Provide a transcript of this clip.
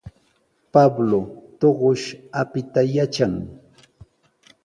Pablo tuqush apita yatran.